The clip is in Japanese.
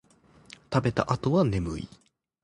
食べた後は眠い